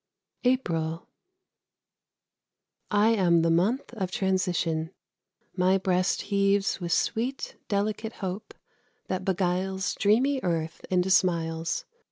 APRIL. I am the month of transition. My breast Heaves with sweet, delicate hope, that beguiles Dreamy Earth into smiles.